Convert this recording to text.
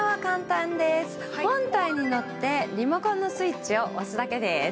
本体にのってリモコンのスイッチを押すだけです。